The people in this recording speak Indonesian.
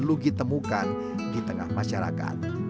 dan luki temukan di tengah masyarakat